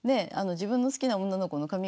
自分の好きな女の子の髪形